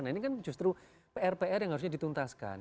nah ini kan justru pr pr yang harusnya dituntaskan